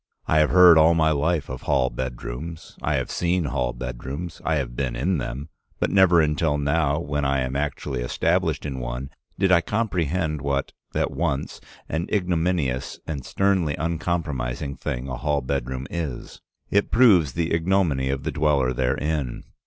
I have heard all my life of hall bedrooms, I have seen hall bedrooms, I have been in them, but never until now, when I am actually established in one, did I comprehend what, at once, an ignominious and sternly uncompromising thing a hall bedroom is. It proves the ignominy of the dweller therein.